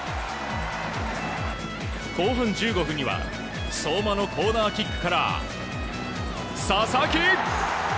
後半１５分には相馬のコーナーキックから佐々木。